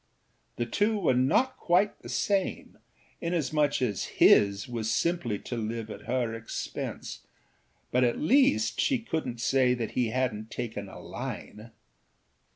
The two were not quite the same, inasmuch as his was simply to live at her expense; but at least she couldnât say that he hadnât taken a line.